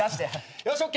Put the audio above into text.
よしＯＫ